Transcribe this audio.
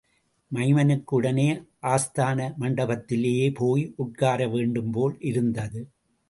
மைமனுக்கு உடனே ஆஸ்தான மண்டபத்திலேபோய் உட்கார வேண்டும்போல் இருந்தது.